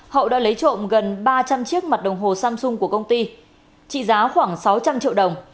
hậu đã lấy trộm gần ba trăm linh chiếc mặt đồng hồ samsung của công ty trị giá khoảng sáu trăm linh triệu đồng